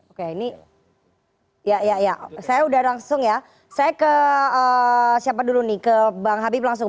oke ini ya saya udah langsung ya saya ke siapa dulu nih ke bang habib langsung